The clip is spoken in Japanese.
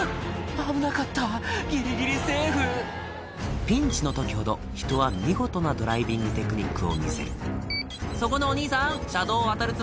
危なかったギリギリセーフピンチの時ほど人は見事なドライビングテクニックを見せるそこのお兄さん車道を渡るつもり？